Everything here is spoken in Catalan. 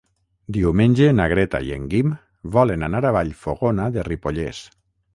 Diumenge na Greta i en Guim volen anar a Vallfogona de Ripollès.